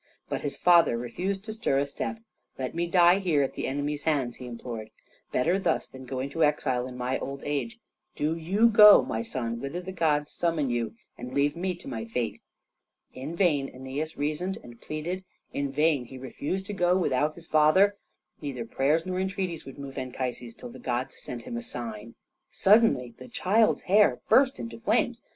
But his father refused to stir a step. "Let me die here at the enemy's hands," he implored. "Better thus than to go into exile in my old age. Do you go, my son, whither the gods summon you, and leave me to my fate." In vain Æneas reasoned and pleaded, in vain he refused to go without his father; neither prayers nor entreaties would move Anchises till the gods sent him a sign. Suddenly the child's hair burst into flames.